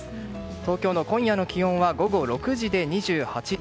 東京の今夜の気温は午後６時で２８度。